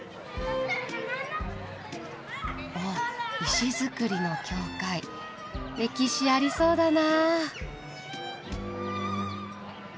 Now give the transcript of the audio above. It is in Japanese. おっ石造りの教会歴史ありそうだな。